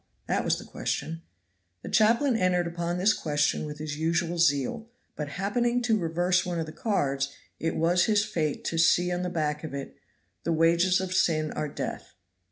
that was the question. The chaplain entered upon this question with his usual zeal; but happening to reverse one of the cards, it was his fate to see on the back of it: "THE WAGES OF SIN ARE DEATH."